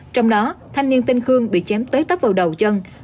trong đó thanh niên tên khương bị chém tới tấp vào đầu chân